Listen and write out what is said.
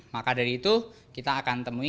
maka dari itu kita akan temui